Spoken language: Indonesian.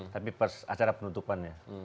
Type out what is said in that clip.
tapi acara penutupannya